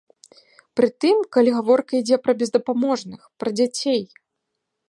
Пры тым, калі гаворка ідзе пра бездапаможных, пра дзяцей.